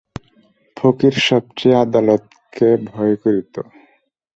ফকির সব চেয়ে আদালতকে ভয় করিত।